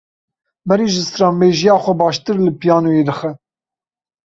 Mary ji stranbêjiya xwe baştir li piyanoyê dixe.